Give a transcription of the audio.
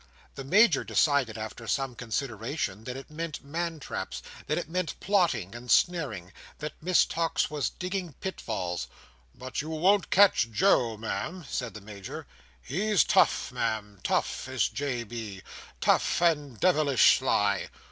The Major decided, after some consideration, that it meant mantraps; that it meant plotting and snaring; that Miss Tox was digging pitfalls. "But you won't catch Joe, Ma'am," said the Major. "He's tough, Ma'am, tough, is J.B. Tough, and de vilish sly!"